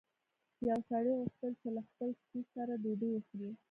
یو سړي غوښتل چې له خپل سپي سره ډوډۍ وخوري.